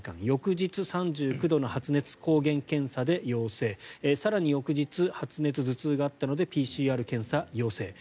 翌日、３９度の発熱抗原検査で陽性、更に翌日発熱、頭痛があったのでＰＣＲ検査、陽性。